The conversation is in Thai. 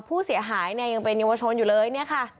ผู้เสียหายยังเป็นยังวะชนอยู่เลยนี่ค่ะ